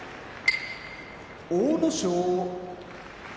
阿武咲